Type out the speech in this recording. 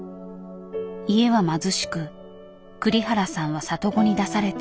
家は貧しく栗原さんは里子に出された。